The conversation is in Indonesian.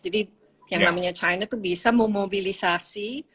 jadi yang namanya china itu bisa memobilisasi